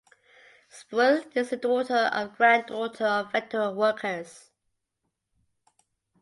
Spruill is the daughter and granddaughter of federal workers.